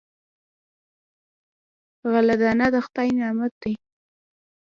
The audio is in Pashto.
غله دانه د خدای نعمت دی.